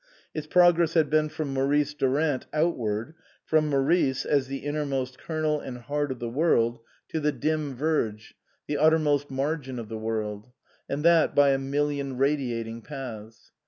Its progress had been from Maurice Durant outward ; from Maurice, as the innermost kernel and heart of the world, to the 190 OUTWARD BOUND dim verge, the uttermost margin of the world ; and that by a million radiating paths.